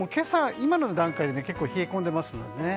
今の段階で結構、冷え込んでいますのでね。